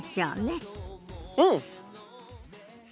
うん！